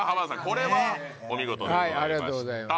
これはお見事でございました